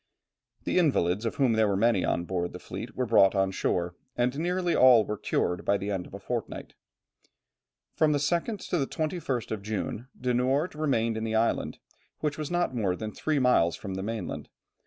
The invalids, of whom there were many on board the fleet, were brought on shore, and nearly all were cured by the end of a fortnight. From the 2nd to the 21st of June, De Noort remained in this island, which was not more than three miles from the mainland.